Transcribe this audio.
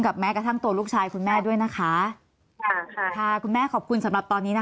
แม้กระทั่งตัวลูกชายคุณแม่ด้วยนะคะค่ะค่ะคุณแม่ขอบคุณสำหรับตอนนี้นะคะ